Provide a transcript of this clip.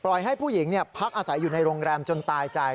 ให้ผู้หญิงพักอาศัยอยู่ในโรงแรมจนตายใจ